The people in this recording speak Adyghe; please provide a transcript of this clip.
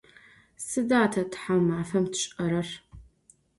Sıda te thaumafem tş'erer?